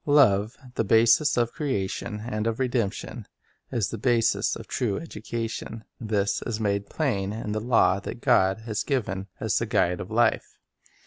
Love, the basis of creation and of redemption, is the Love basis of true education. This is made plain in the law the Basis of Education that God has given as the guide of life.